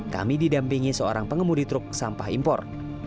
kami didampingi seorang pengemudi truk sampah impor